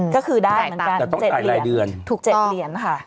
ก็คือได้เหมือนกัน๗เหรียญถูก๗เหรียญค่ะ